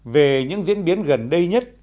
về những diễn biến gần đây nhất